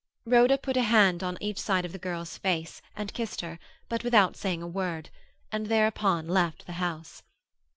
Rhoda put a hand on each side of the girl's face, and kissed her, but without saying a word; and thereupon left the house.